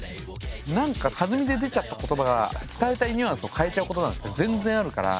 なんか弾みで出ちゃった言葉が伝えたいニュアンスを変えちゃうことなんて全然あるから。